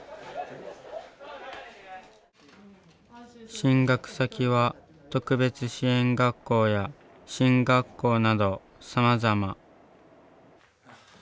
進学先は特別支援学校や進学校などさまざま。